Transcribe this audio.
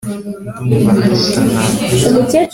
ndumva ndota nabi